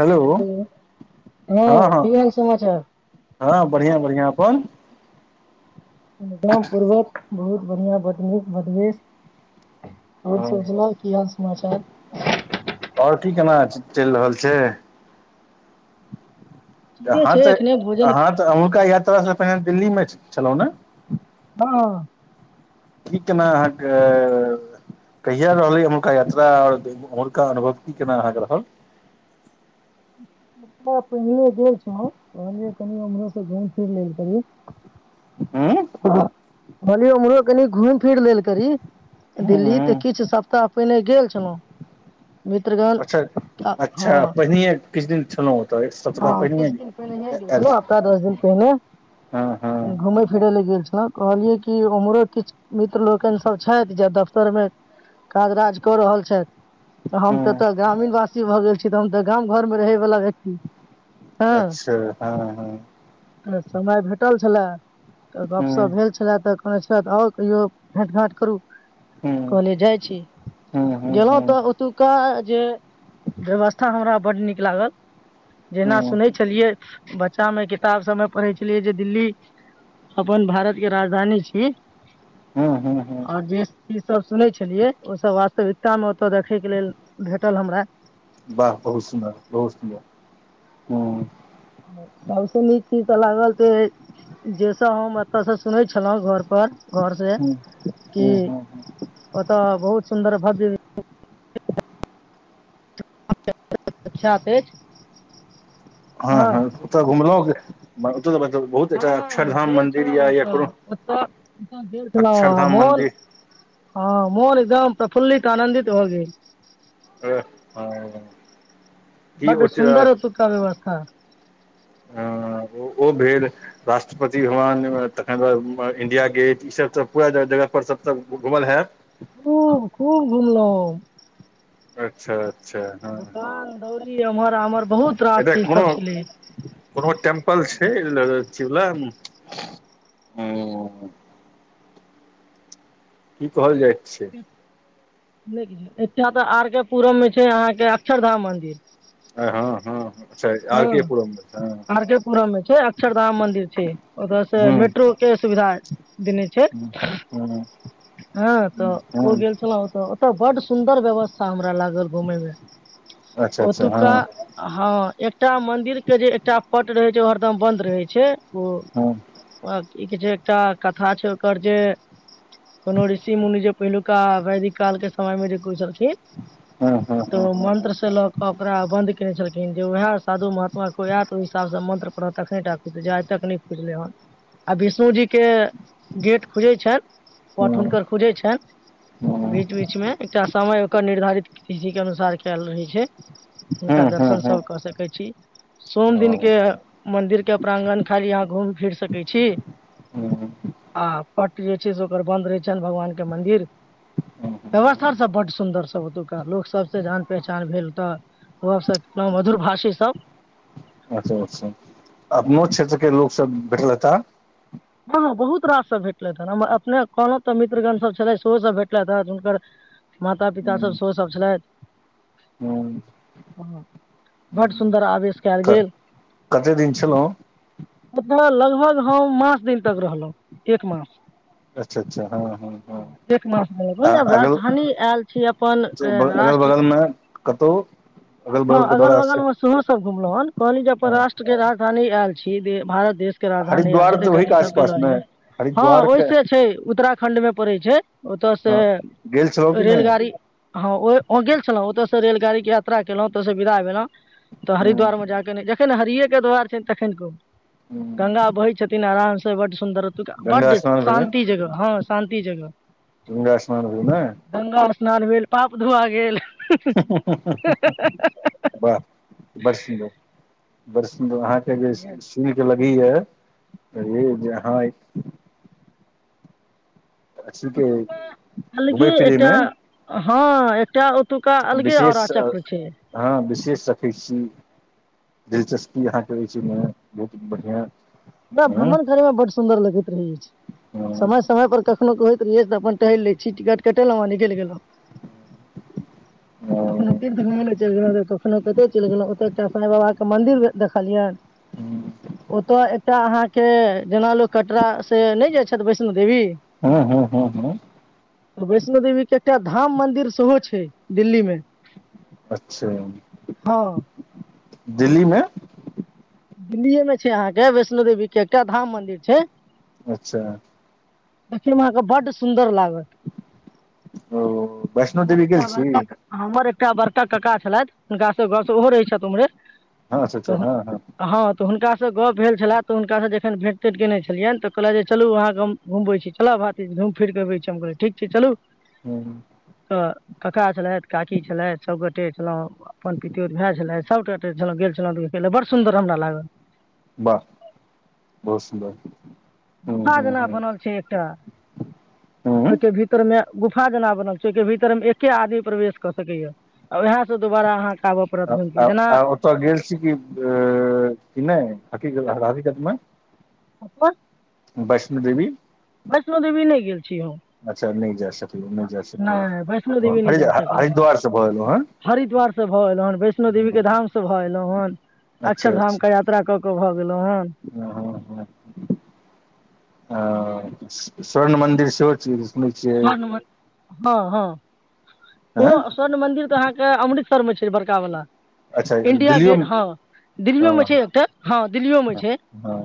Hello हँ हँ, की हाल समाचार हँ बढ़िया बढ़िया अपन? एकदम पूर्वक। बहुत बढ़िआं बड नीक बदबश आओर ओ सोचना की हाल समाचार [unintelligible] आओर की केना चलि रहल छै ठीके अहाँ छै तऽ एखने भोजन अहाँ तऽ अहका यात्रा से पहिने दिल्ली मे छै चलउ ने हँ की केना अहाँके कहिय रहलै एमहुरका यात्रा आओर एमहुरका अनुभव की केना अहाँके रहल रा पहिलेर छ कहलिय कनि ओम्हरोसँ घूम फिर लेल करी हूँ कहली उमरो कनि घुम फिर लेल करी दिल्ली तऽ हूँ किछु सप्ताह पहिने गेल छलहुँ मित्रगज अच्छा हँ अच्छा पहिनहिए किछु दिन छलहुँ ओतऽ एक सप्ताह हँ किछ दिन पहिनेे पहिनहिए गेल आयल छलहु हप्ताह दस दिन पहिने हँ हँ घुम गेल छल कहलियै कि उम्हरो किछु मित्र लोकनि सब छथि जे दफ्तर मे काज राज कऽ रहल छथि हम हँ तऽ तऽ ग्रामीण वासी भऽ गेल छी त हम तऽ गाम घर मेमे रहै वालला व्यक्ति हँ अच्छा हँ हँ टटल छलै तऽ गपशप भेल छलए तऽ आओर कहियो भेट घाँट करू हूँ हूँ कहले जाइ छी हूँ हूँ गेलहुँ हूँ तऽ ओतुका जे व्यवस्था हमरा ब् नीक लागल जेना हूँ सुनै छलियै बच्चा मे किताब सबमे पढ़ै छलियै जे दिल्ली अपन भारत के राजधानी छी हूँ हूँ हूँ आओर जे चीज सब सुनै छलियै ओ सब वास्तव ताम तो देखे के लेल भेटल हमरा हँ [unintelligible] सबस नीक चीज तऽ लागल त जैस हम एतय से सुनै छलहुँ घर घर से हूँ क हूँ हूँ ओतऽ बहुत सुन्दर भर द इचछाापे हँ हँ तऽ घुमल म हँ गेल छलहु या कोनो ओऽ छलहु अक्षरधाम मन मन्दिर हँ मोन एकदम तऽ फुल्लिक आनन्दित हो गेल आ ह बड्ड सुन्दर तु क व्यवस्था ह ओ भेल राष्ट्रपति भवन तखन बाद इं्डिया गेट ईसभ त पूरा जगहपर सभ तऽ घुमल हयैत सुुल [unintelligible] अच्छा अच्छा हँ हँ दकान दौरी एम्हर आमहर बहुत रास चीज सब छलै ल छै ल ह की कहल जाइ छै नहि कि एकछा तऽ आरके पूरम मे छै अहाँके अक्षर धाम मन्दिर हँ हँ अच्छा ह आर के पुरम मे हँ आरके पुरम मे छै अक्षरधाम मन्दिर छै ओतय से हूँ मेट्रोक के सुविधा देने छै हँ तऽ ओ गेल छलहु ओतऽ त बड सुन्दर व्यवस्था हमरा लागल इर घुमेमे अच्छा अच्छा ओतुका हँ हँ एकटा मंदिर के जे एकटा पट रहे छै ओ हरदम बंद रहे छै ओ हँ प की कहै छै एकटा कथा छै ओकर जे कोनोड़सी मुनजप पहिलुका वैदिक काल के समय में जे कुस हँ हँ तऽ हँ हँ मंत्र स लऽ क ओकरा ब कने छलखिन जे उएह साधु महात्माे आयत ओहि हिसाबसँ मन्त्र परर तखने टा खुज आइ तक नहि खुजलै हन आ विष्णु जीके गेट खुजै छ पट हुनकर खुजैत छनि हँ बीच बीचमे एकटा समय ओकर निर्धारित कधि के अनुसार कयल रहै छै हँ हुनका हँ दर्शन हँ सब क सक सोम दिन ओ के मन्दिर के प्रांगण खाली यहाँ घुम फिर सकै छी आ प जे छै से ओकर बन्द रहै छनि भगवान के मंदिर व्यवस्था सब बड सुन्दर सब ओतुका लोक सबस जान पहचान भेल तऽ ओ मधुर भाषा ी सब अच्छा अचछा अपनो क्षेत्र के लोक सब भेटलता हँ हँ बहुत रास सभ भेटलथि हेँ हमर अपने कोनो तऽ मित्रगणसभ छलै सेहोसभ भेटलथि हेँ हुनकर माता- पिता सब सेहो सब छलथि। बड सुन्दर, आवेश कल गेल कते दिन छलहुँ ओकरा लल। हम मास दिन तक रहलहुँ, एक मास। अच्छा अच्छा हँ हँ हँ एक मास आ आब अगल राजधानी आयल छी अपन तो ब- अगल राष्ट्र बगलमे कतहु हँ बगलके अगल दौरा से बगलमे सेहो सब घुमलहु हन कहली जे अपन हाँ। राष्ट्र के राजधानी आयल छी भारत देश हरिद्वार तऽ भी काज हँ ओहि से छै उत्तराखण्ड मे पड़ै छै। ओतऽ से हँ गेल छलहुँ कि नहि रेलगाड़ी हँ, ओ गेल छलहुँ, ओतय से रेलाड़ी के यात्रा केलहुं तऽ ओत से बिदा भलउ। त हम्म, हरिद्वार मे जाके कहि जा जखन हरिे के दूआार छनि तखन कहू। गंगा हम्म। बहै छथिन आराम से। नै बड। सुन्दर गंगा बड्ड, स्नान भेलै शान्त जगह हँ, शान्तति जगह, गंगा स्नान भेल ने गंगा स्नान भेल। पाप धुआ गेल? [unintelligible] वाह! बड्ड सुन्दर। बर् सुन्दर हं। सी [unintelligible] भी है जेहा त घुमय अलगे फिरय एकटा मे हँ। एकटा ओतुका, अलगे औराचक्र छै। सखै छी दिलचस्पी अहाँके, रहै छैहि मे बहुत बढ़िआँ। हमरा हँ भ्रमण करय मे बड्ड सुन्दर लगैत रहैत अछि, समय- समय पर कखनो होैत रहै अछि तऽ अपन टहलि लै छी, टिकट कटेलहुं, आ निकलि गेलहु। कख तीर त मल छै, कखनो। ओतय चलि गेलहुं, ओते स साई बाबा के मंदिर देखलियनि, ओतऽ अहाँ के जेना लोको कटरा से नहि जाय छथि, वैष्णव देवी! हँ हँ हँ हँ त बैष्णो देवी क एकटा धाम मंन्दिर सेहो छै, दिल्ली मे। अच्छा! हँ दिल्लीमे दिल्लीए मे छै, अहाँके वैष्णो देवी के, एकटा धाम मंन्दिर छै। अच्छा। देखै मे अहाँके बड सुंदर लागत। ओ वैष्णो हमर देवी गेल एकटा छी बड़का कक, हमर एकटा बड़का कका छलैथ हुनका से गौस ओहो रहैत छथि उम्हरे। हँा, तऽ हँ हँ। हँ तऽ हुनकासँ गप भेल छलै, तऽ हुनकासँ जखन भेट- तेट केयने छलियनि, तऽ कहल जे चलू अहाँके घुमै छी, चल भातीज घुम फिर कऽ अबै छी, हम कहलै ठीक छै चलू। ह्म। काका छलथि, काकी छलथि, सब गोटे छलों, अपन पितोर भाय छलथि, सभ गोट छलउ, गेल छलौ बड़ सुन्दर हमरा लागत। वाह, बहुत सुन्दर। हूँ गुफा हूँ जेना हूँ बनल छै एकटा, हूँ ओहिके भीतर मे गुफा जेना बनल छै ओहिके भीतर मे एके आदमी प्रवेश क सकैये, आ वैह से दुबारा अहाँ आ आ ओतय गेल छी कि नहि हकित हकिकतमे वैष्णो देवी। वैष्णो देवी नै गेल छी। हम अच्छा नहि जा सकल नहि वैष्णो देवी नहि जा सकलहु हेन, हरिद्वार से भऽ एलहुँ हरिद्वार से भ एलहु हेन, वैष्णो देवी के हेँ धाम से भ एलहुं हेन अक्षर धाम क यात्रा क क भ हां हां, ओ स्वर्ण मंदिर सेहो चीज स्वर्ण मन्दिर, हां हां। ओ हँ स्वर्ण मन्दिर त अहाँके अमृत सरमे छै बड़कावला। अच्छा इंडिया गेट, दिल्लियोमे हँ दिल्लियो हँ मे छै एकटा हँ दिल्लियो मे हँ छै, हँ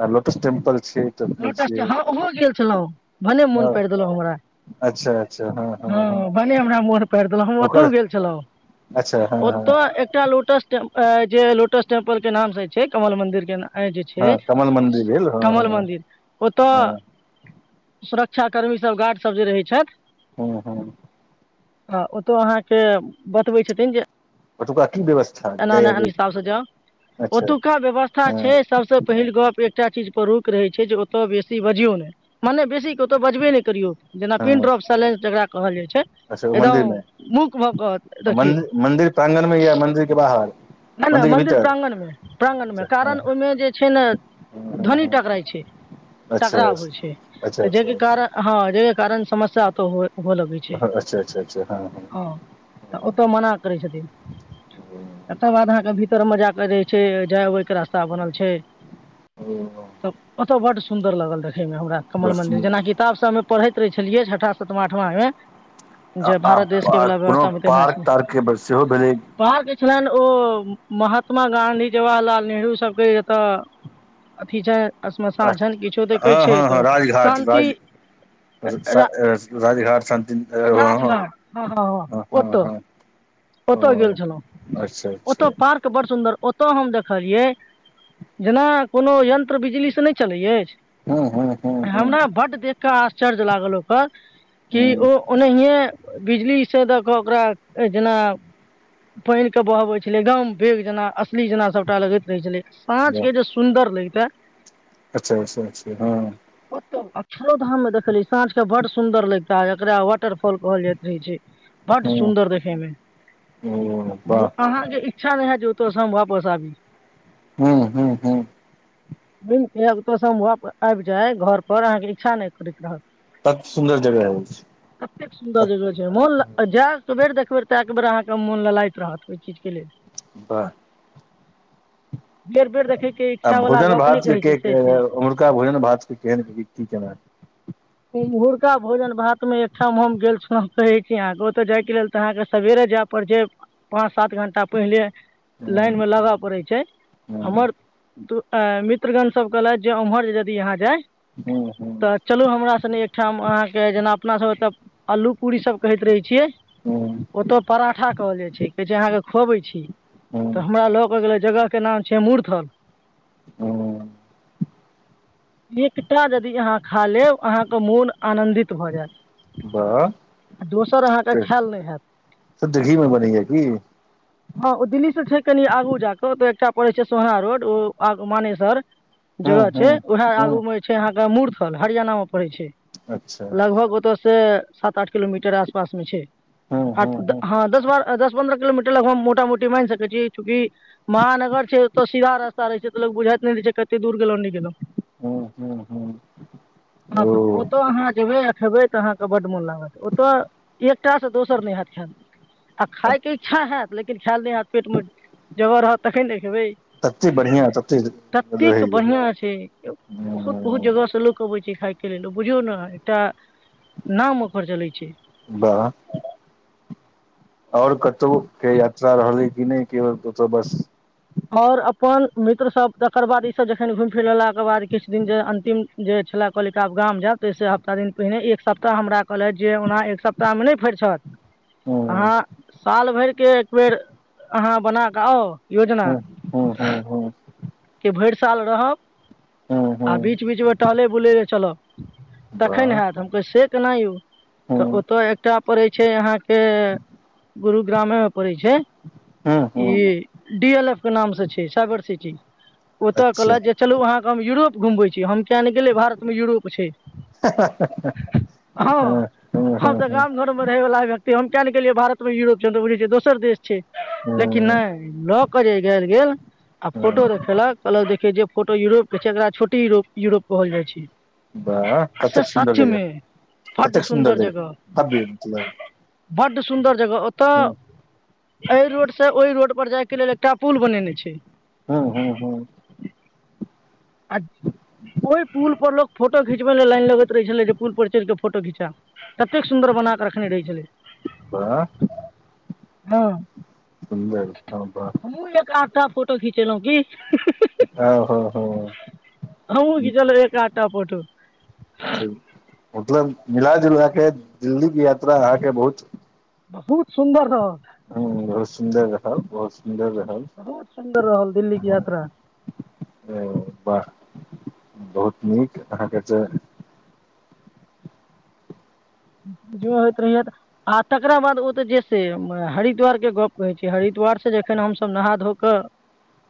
आ लोटस टेम्पल छै तऽ सुनै लोटस, छियै हँ ओहो गेल छलहुं, भने मोन हँ पारि देलहुं हमरा अच्छा अच्छा हँ हँ हँ भने हमरा मोन पाड़ि देलहुं, हम ओतहु ओकर गेल छलहुं, अच्छा हँ ओत हँ एकटा लोटस टेम जे लोटस टेम्पल के नाम से छै कमल मंदिर के नाम जे छै हँ कमल मन्दिर भेल हँ कमल हँ मंदिर ओत हँ सुरक क्षाकर्मी सब गार्ड सब जे रहै छथि। हँ हँ। हं ओत अहाँके बतबै छथिन जे ओतुका की व्यवस्था एना जाय एना अबै हिसाबसे जाउ, अच्छा ओतुका व्यवस्था हँ छै सबसँ पहिल गप एकटा चीजपर रोक रहै छै जे ओतय बेसी बजियौ नै मनेे बेसी ओतय बजबे नहि करियौ जेना पिन हँ ड्रॉप साइलेंस जेकां कहल जाइ छै। अच्छा मन्दिर मे, एकदम मूक भऽ कऽ देखियौ मन्दिर प्रांगण या मन्दिर के बाहर नहि मंदिर के मंन्दिर भीतर प्रांगण मे प्रांगण मे, अच्छा हँ कारण ओहिमे जे छै ने हँ ध्वनि हँ टकराइ छै अच्छा टकराव होइ छै अच्छा त अच्छा जाहिके कारण हँ जाहिके कारण रे एहन समस्या कहू होय। हुअ लगै छै, अच्छा अच्छा अच्छा हँ, तऽ ओतऽ मना करै छथिन। ओ एकर बाद अहाँ के भीतर में जाइके जे छै जाय अबै के रास्ता बनल छै त ओत बड सुंदर लागल रहै। फेर मे उहे, कमल मंदिर, हँ जेना किताब सब मे पढ़ैत रहे। छलियै, छठा, सतमा, आठमा मे,। आ, आ, कोनो तहिना पार्क छलै -तार्कके सेहो भेलै। पहाड़के छलनि ओ, 'महात्मा गाँधी' 'जवाहरलाल नेहरू 'सबके एतऽ अथी छैन? अ हँ, हँ, हँ, राजघाट शान्ति राज, रा राजघाट शान्त हँ, हँ हँ ओ! अच्छा अच्छा ओतो पार्क बड़ सुन्दर, ओत ओत हम देखलियै, जेना कोनो यन्त्र, बिजलीसँ नहि चलै अछि। हँ हँ हँ हँ हमरा ब्ड बेकार चर्ज लागल ओकर। कि ओ, हँ ओनेहिए बिजलीसँ दऽ कऽ, ओकरा जेना पानि के बहबै छलै, एकदम बेग जेना, असली जेना, सबटा लगैत रहै छलै। पाँच के जे सुन्दर, लग त। अच्छा, अच्छा, अच्छा हँ। अक्षरोधाम मे, देखलियै। साँझ के बड सुन्दर, लैग। ता, एकरा वाटरफॉल कहल जाइत रहै छै। बड हँ सुन्दर देखैमे। ओ वाह हेलो, अहाँके इच्छा नहि है, ओत से हम, वापस आबी। हू, हू, हू। घुमके, ओतसे हम वापस आबि जाय घर पर, अहाँके इच्छा नहि करैत रहत। तत सुन्दर जगह अछि ततेक सुन्दर तत जग छै, मौल लग जैब त देख-देख र त एक बेरह के मोन लगाग छै [unintelligible] राहत के चिज। बाह! बेर बेर देखैके आ इच्छा वला भोजन गप नहि -भात कहै छै के से कह, छै उमहरका भोजन -भात के केहन के की, केना? ओम्हुरका भोजन- भात मे, एकठाम हम गेल छलउ, कहै छी, अहाँके ओतऽ जायके लेल तऽ अहाँके सेबेरे, जाय पड़ छै, पाँच सात घं्टा पहिले। हूँ लाइन मे लगय पड़ैत छै, हूँ हमर दू अ मित्रगण सब कहलैथ, जे‌ उम्हर जे यदि यहाँ जाय? हूँ हूँ तऽ चलू हमरा अहाँ के जेना अपना सब एतऽ अलू पूरी सब कहैत रहै छियै? हूँ ओतऽ पराठा कहल जाइ छै। कहै छै अहाँके खुअबै छी। तऽ हूँ हमरा ल' क' गेलथि। जगह के नाम छै मूर्धर। ह एकटा यदि अहाँ खा लेब। अहाँके मोन आनंदित भऽ वाह जायत। दोसर आहाँके से खायल नहि हेएत। शुद्ध घी मे बनैया की हँ ओ दिल्ली स छै कनी आगु जा क' ओतऽ एकटा पड़ै छै सोहा रोड ओ आग मानेसर। हूँ जगह छै हूँ उएह आगू हूँ मे जे छै अहाँके मूर्थल हरियाणा मे। पड़ै छै। अच्छा लगभग ओतऽ ‌ से सात आठ किलोमीटर आसपास में छै। हूँ हँ हूँ आठ हूँ द दस बारह दस पन्द्रह किलोमीटर लगभग म मोटा मोटी मानि सकैत छी। चूँकि महानगर छै ओत सीधा रास्ता रहे छै। तऽ लो बुझाइत नहि रहै छै कते दूर गेलों नहि गेलहु। ह हू ह हँ तऽ ओतो अहाँ जेबै। खेबै तऽ अहाँके बड्ड मोन लागत। ओतऽ एकटा से दोसर नहि हेएत खायल आ खायके इच्छा हेयत लेकिन। खायल नहि हेएत। पेट मे जगह रहत तखन ने खेबै। तते बढ़िआँ तते ततेक रहैया बढ़ियां छै बहुत बहुत हूँ जगह से लोक अबै छै खायके के लेल ओ बुझियौ ने एकटा नाम ओकर चलै छै। बाह आओर कतहु के यात्रा रहलै कि नहि की ओतऽ बस। आओर अपन मित्रसभ तकर बाद ईसभ जखन घुमि फिर लेलाके बाद किछु दिन जे अन्तिम जे छलै कहलै कि आब गाम जायब ताहिसँ सप्ताह दिन पहिने एक सप्ताह हमरा कहलथि जे ओना एक सप्ताहमे नहि फर छथि। हूँ अहाँ साल भर के एक बेेर अहाँ बना कऽ आउ। योजना हू हू हू के भरि साल रहब। हूँ आ हूँ बीच बीच मे टहले बुले ले चलब। तखन वाह हैत हम कहलिये से केना यौ तऽ हूँ ओतय एकटा पड़ैत छै अहाँके। गुरुग्रामे मे पड़ै छै। हूँ ई हूँ डी एल एफ नामसै छै, साइबर सिटी। ओत अच्छा कहलैथ जे चलू अहां हम यूरोप घुमबै छी हम। किया नै गेले भारत मे यूरोप छै हँ हूँ हूँ हम तऽ हूँ गाम घर मे रहे वाला। तऽ हम किया ने गेलियै भारतमे यूरोप छै हम त बुझि छियै दोसर देश छै। हूँ लेकिन हूँ नहि लोक कर जे गरि गेल। आ फोटो हूँ देख कहलक देखियौ जे फोटो यूरोप के छै, एकरा छोटी यूरोप कहल जाइ छै। वाह से ततेक सुन्दर जगह सचमे, बड ततेक सुन्दर जगह, भव्य मतलब बड सुन्दर जगह, ओत हूँ एहि रोड से ओहि रोड उपर जाइके लेल टा पुल बनेने छै। हुं। आ ओहि पुल पर लोक फोटो खिचबै ले लाइन लगैत रहै छलै जे पुल पर चलि के फोटो खिंचा ततेक सुन्दर बना क रखने रहै छलै। वाह, हँ सुन्दर, वाह। टा फोटो खिचेलौं कि। ओ हो हो। हमहुं खिचेलौं एकटा टा फोटो। मतलब मिला जुला के दिल्ली के यात्रा अहाँके बहुत बहुत सुन्दर रहल। हुं बहुत सुन्दर। सुन्दर रहल, बहुत सुन्दर। रहल बहुत सुन्दर रहल दिल्ली के हँ यात्रा वाह बहुत नीक अहाँके जे जे होइत रहैये आ तकरा बाद ओ त जे से हरिद्वारके गप्प कहै छै हरिद्वारसँ जखन हमसभ नहा धो क